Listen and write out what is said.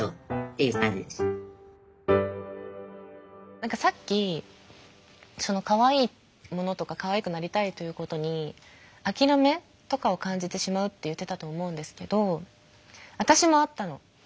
何かさっきかわいいものとかかわいくなりたいということに諦めとかを感じてしまうって言ってたと思うんですけど私もあったの。